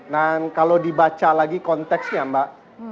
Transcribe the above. nah kalau dibaca lagi konteksnya mbak